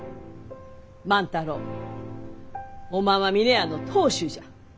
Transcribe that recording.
万太郎おまんは峰屋の当主じゃ。